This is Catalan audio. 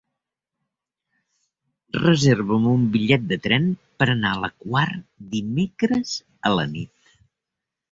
Reserva'm un bitllet de tren per anar a la Quar dimecres a la nit.